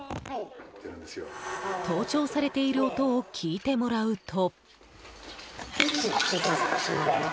盗聴されている音を聞いてもらうと。